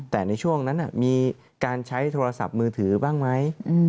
แต่ในช่วงนั้นมีการใช้โทรศัพท์มือถือบ้างไหม